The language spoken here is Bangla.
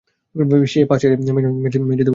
সে পা ছড়িয়ে মেঝেতে বসে আছে।